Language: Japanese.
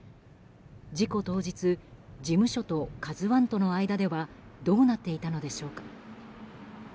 事故当日、事務所と「ＫＡＺＵ１」との間ではどうなっていたのでしょうか。